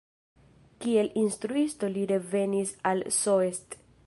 Kiel instruisto li revenis al Soest.